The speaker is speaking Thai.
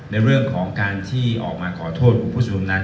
ในเรื่องของการที่ออกมาขอโทษผู้ชายการศึกละครบาดนั้น